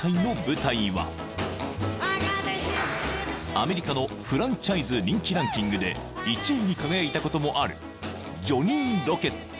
［アメリカのフランチャイズ人気ランキングで１位に輝いたこともある］